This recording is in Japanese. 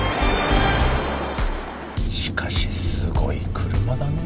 しかしすごい車だね。